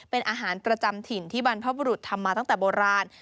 เป็นอาหารประจำถิ่นที่บรรพบุรุษทำมาตั้งแต่โบราณ